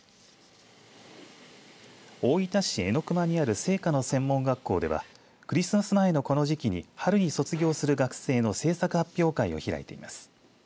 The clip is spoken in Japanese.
大分市荏隈にある製菓の専門学校ではクリスマス前の、この時期に春に卒業する学生の製作発表会を開いています。